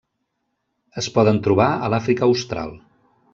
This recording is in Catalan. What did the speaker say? Es poden trobar a l'Àfrica austral.